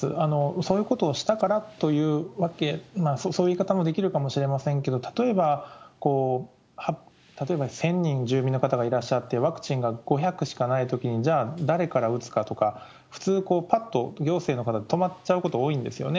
そういうことをしたからというわけ、そういう言い方もできるかもしれませんけれども、例えば１０００人住民の方がいらっしゃって、ワクチンが５００しかないときに、じゃあ誰から打つかとか、普通、ぱっと行政の方、止まっちゃうこと多いんですよね。